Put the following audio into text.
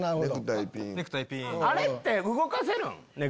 あれって動かせるん？